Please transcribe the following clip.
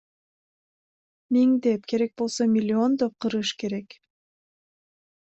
Миңдеп, керек болсо миллиондоп кырыш керек.